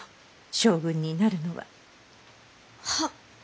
将軍になるのは。は？